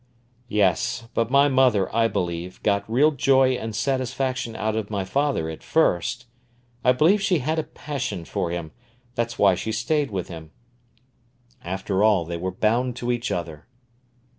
"Yes; but my mother, I believe, got real joy and satisfaction out of my father at first. I believe she had a passion for him; that's why she stayed with him. After all, they were bound to each other."